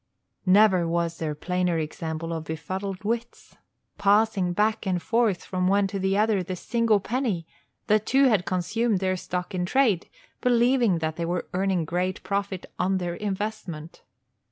Never was there plainer example of befuddled wits! Passing back and forth, from one to the other, the single penny, the two had consumed their stock in trade, believing that they were earning great profit on their investment.